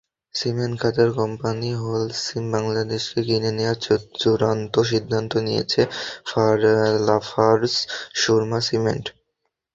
Cement খাতের company Holcim বাংলাদেশকে কিনে নেওয়ার চূড়ান্ত সিদ্ধান্ত নিয়েছে লাফার্জ সুরমা সিমেন্ট।